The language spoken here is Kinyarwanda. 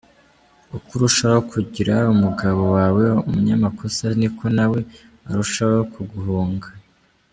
Uko urushaho kugira umugabo wawe umunyamakosa niko nawe arushaho kuguhunga.